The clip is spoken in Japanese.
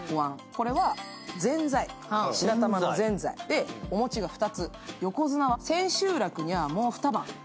これは白玉のぜんざい、それでお餅が２つ、横綱は千秋楽にはもう二晩。